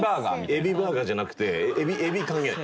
エビバーガーじゃなくてエビは関係ない。